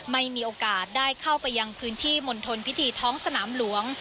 ไม่มีโอกาสได้เข้าไปยังพื้นที่มณฑลพิธีท้องสนามหลวง